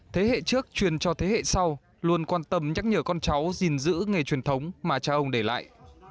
thế hệ trước truyền cho thế hệ sau luôn quan tâm nhắc nhở con cháu gìn giữ nghề truyền thống mà cha ông để lại